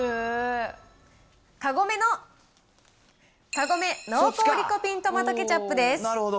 カゴメのカゴメ濃厚リコピントマトケチャップです。